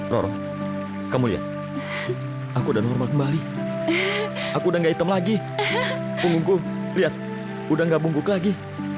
roro kamu lihat aku udah normal kembali aku udah gak hitam lagi punggungku lihat udah gak bungkuk lagi